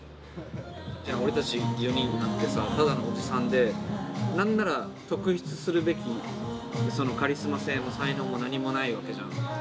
俺たち４人なんてさただのおじさんで何なら特筆するべきカリスマ性も才能も何もないわけじゃん。